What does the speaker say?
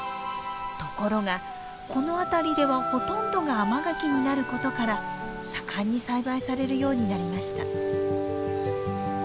ところがこの辺りではほとんどが甘柿になることから盛んに栽培されるようになりました。